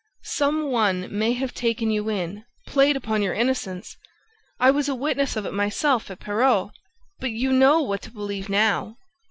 Some one may have taken you in, played upon your innocence. I was a witness of it myself, at Perros ... but you know what to believe now!